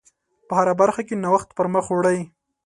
په هره برخه کې نوښت پر مخ وړئ.